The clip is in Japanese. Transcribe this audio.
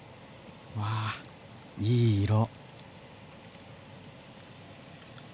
わあいい色。